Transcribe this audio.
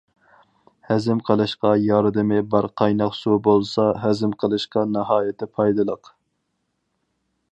ھەزىم قىلىشقا ياردىمى بار قايناق سۇ بولسا ھەزىم قىلىشقا ناھايىتى پايدىلىق.